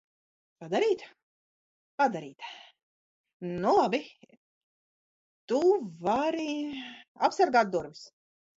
Padarīt? Padarīt? Nu labi. Tu vari apsargāt durvis.